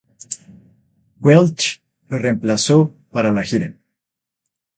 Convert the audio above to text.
Welch lo reemplazó para la gira.